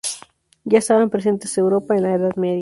Ya estaban presentes Europa en la Edad Media.